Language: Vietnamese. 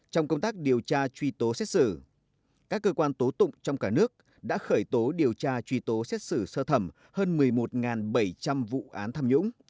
trong công tác điều tra truy tố xét xử các cơ quan tố tụng trong cả nước đã khởi tố điều tra truy tố xét xử sơ thẩm hơn một mươi một bảy trăm linh vụ án tham nhũng